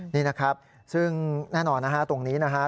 นี่นะครับซึ่งแน่นอนนะฮะตรงนี้นะฮะ